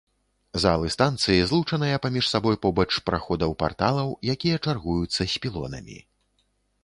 Залы станцыі злучаныя паміж сабой побач праходаў-парталаў, якія чаргуюцца з пілонамі.